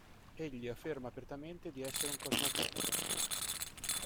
Egli afferma apertamente di essere un cosmopolita.